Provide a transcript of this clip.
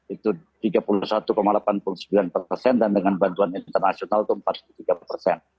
itu tiga puluh satu delapan puluh sembilan persen dan dengan bantuan internasional itu empat puluh tiga persen